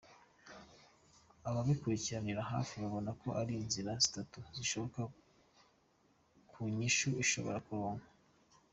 Ababikurikiranira hafi babona ko hari inzira zitatu zishoboka ku nyishu ashobora kuronka.